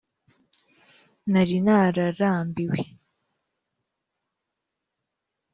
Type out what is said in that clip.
nari nararambiwe